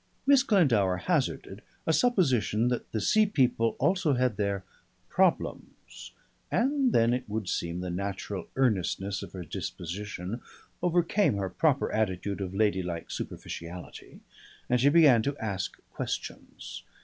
Miss Glendower hazarded a supposition that the sea people also had their Problems, and then it would seem the natural earnestness of her disposition overcame her proper attitude of ladylike superficiality and she began to ask questions.